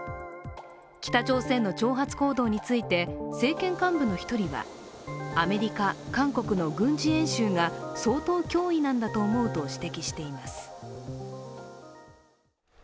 北朝鮮の挑発行動について、政権幹部の１人はアメリカ・韓国の軍事演習が相当脅威なんだと思うと指摘しています。